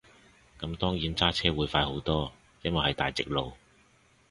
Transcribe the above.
咁當然揸車會快好多，因為係大直路